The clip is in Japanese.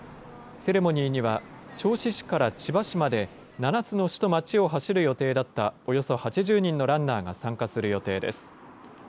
セレモニーには、銚子市から千葉市まで、７つの市と町を走る予定だったおよそ８０人のランナーが参加する予定です。